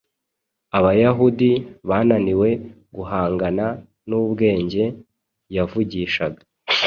Abayahudi bananiwe guhangana n’ubwenge yavugishaga